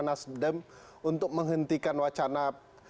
nasdem untuk menghentikan wacana